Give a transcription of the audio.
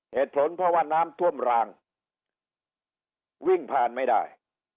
เหตุผลเพราะว่าน้ำท่วมรางวิ่งผ่านไม่ได้